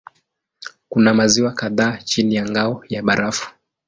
Kuna maziwa kadhaa chini ya ngao ya barafu.